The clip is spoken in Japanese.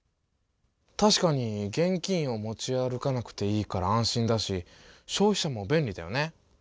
確かに現金を持ち歩かなくていいから安心だし消費者も便利だよね。